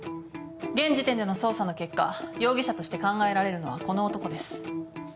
現時点での捜査の結果容疑者として考えられるのはこの男です。